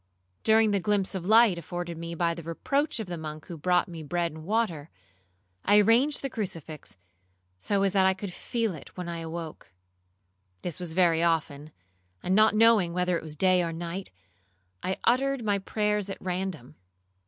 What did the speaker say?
During the glimpse of light afforded me by the approach of the monk who brought me bread and water, I arranged the crucifix so as that I could feel it when I awoke. This was very often, and not knowing whether it was day or night, I uttered my prayers at random.